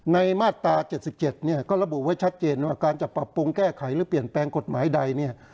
มาตรา๗๗เนี่ยก็ระบุไว้ชัดเจนว่าการจะปรับปรุงแก้ไขหรือเปลี่ยนแปลงกฎหมายใดเนี่ย